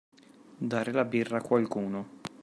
Dare la birra a qualcuno.